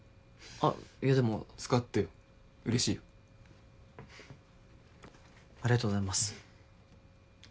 あっいやでも使ってよ嬉しいよありがとうございます